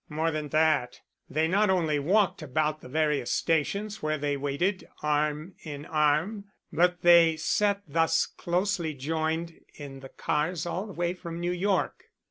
More than that, they not only walked about the various stations where they waited, arm in arm, but they sat thus closely joined in the cars all the way from New York.